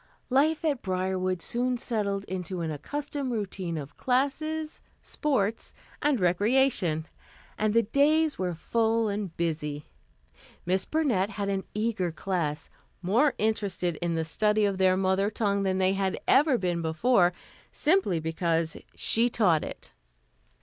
Life at Briarwood soon settled into an accustomed routine of classes, sports and recreation, and the days were full and busy. Miss Burnett had an eager class, more interested in the study of their mother tongue than they had ever been before, simply because she taught it.